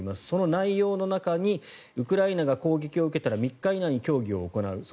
その内容の中にウクライナが攻撃を受けたら３日以内に協議を行う。